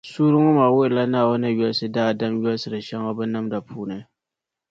Suurili ŋɔ maa wuhirila Naawuni ni yolisi daadam yolisiri shεŋa o binnamda puuni.